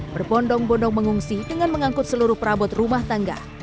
berbondong bondong mengungsi dengan mengangkut seluruh perabot rumah tangga